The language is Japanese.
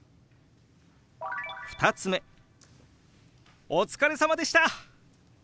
２つ目「お疲れさまでした！」。